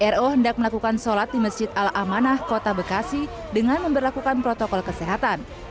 ro hendak melakukan sholat di masjid al amanah kota bekasi dengan memperlakukan protokol kesehatan